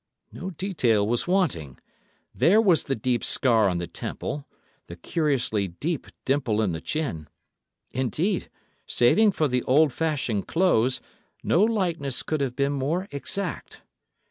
No detail was wanting—there was the deep scar on the temple, the curiously deep dimple in the chin; indeed, saving for the old fashioned clothes, no likeness could have been more exact.